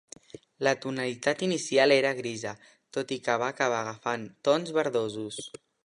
La tonalitat inicial era grisa tot i que va acabar agafant tons verdosos.